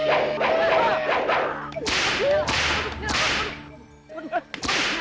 aduh aduh aduh